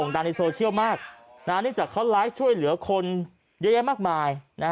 ดังในโซเชียลมากเนื่องจากเขาไลฟ์ช่วยเหลือคนเยอะแยะมากมาย